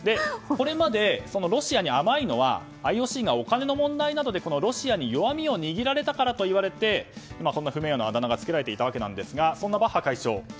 これまで、ロシアに甘いのはＩＯＣがお金の問題などでロシアに弱みを握られたからといってこんな不名誉なあだ名がつけられていたわけですがそんなバッハ会長